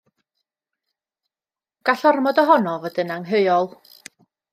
Gall ormod ohono fod yn angheuol.